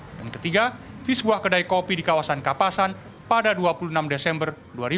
dan ketiga di sebuah kedai kopi di kawasan kapasan pada dua puluh enam desember dua ribu dua puluh satu